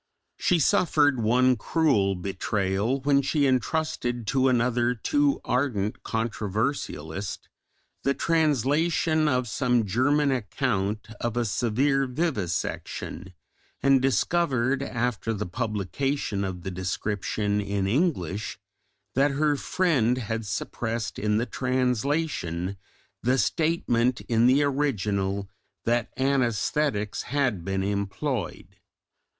She suffered one cruel betrayal when she entrusted to another too ardent controversialist the translation of some German account of a severe vivisection, and discovered, after the publication of the description in English, that her friend had suppressed in the translation the statement in the original that anaesthetics had been employed.